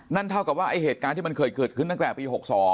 เท่ากับว่าไอ้เหตุการณ์ที่มันเคยเกิดขึ้นตั้งแต่ปี๖๒